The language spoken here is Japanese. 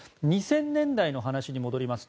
２０００年代の話に戻ります。